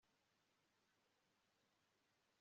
si jye wahera hahera umugani